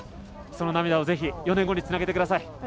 その涙をぜひ４年後につなげてください。